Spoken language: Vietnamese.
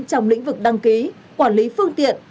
trong lĩnh vực đăng ký quản lý phương tiện